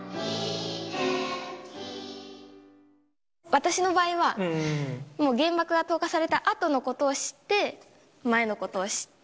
私の場合は、もう原爆が投下されたあとのことを知って、前のことを知った。